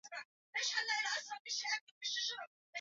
msimu wa mwaka elfu mbili na saba hadi mwaka elfu mbili na nane